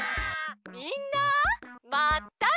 みんなまったね！